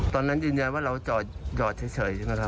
ตอนนั้นยืนยันว่าเราจอดเฉยใช่ไหมครับ